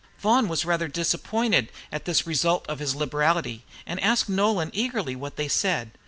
Vaughan was rather disappointed at this result of his liberality, and asked Nolan eagerly what they said.